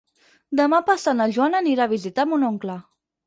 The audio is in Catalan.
Demà passat na Joana anirà a visitar mon oncle.